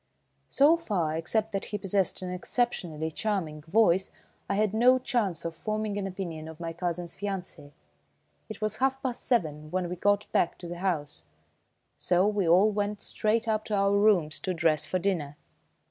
So far, except that he possessed an exceptionally charming voice, I had no chance of forming an opinion of my cousin's fiancé. It was half past seven when we got back to the house, so we all went straight up to our rooms to dress for dinner.